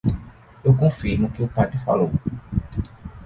Eu confirmo o que o padre falou.